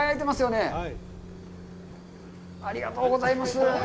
ありがとうございます。